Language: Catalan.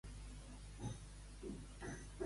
Com està la circulació a l'hora d'ara per Barcelona?